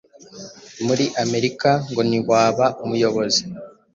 Muri Amerika ngo ntiwaba umuyobozi